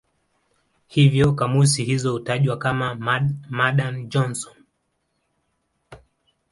Hivyo kamusi hizo hutajwa kama "Madan-Johnson".